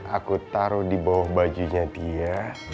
aku taruh di bawah bajunya dia